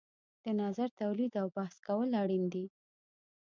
د نظر تولید او بحث کول اړین دي.